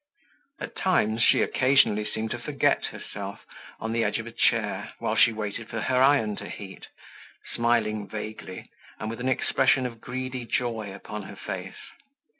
At times she occasionally seemed to forget herself on the edge of a chair, whilst she waited for her iron to heat, smiling vaguely and with an expression of greedy joy upon her face.